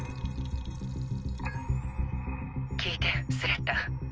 聞いてスレッタ。